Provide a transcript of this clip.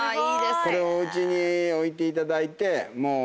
これをお家に置いていただいてもう。